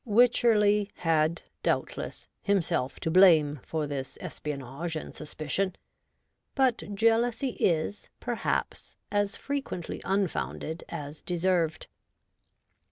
Wycherley had, doubtless, himself to blame for this espionage and suspicion ; but jealousy is, perhaps, as frequently unfounded as deserved.